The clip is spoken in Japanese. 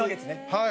はい。